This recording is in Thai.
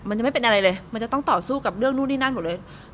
มันจะไม่เป็นอะไรเลยมันจะต้องต่อสู้กับเรื่องนู่นนี่นั่นหมดเลย